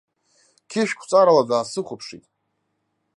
Қьышәқәҵарала даасыхәаԥшит.